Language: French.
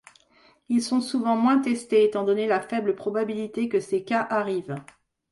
Ils sont souvent moins testés, étant donné la faible probabilité que ces cas arrivent.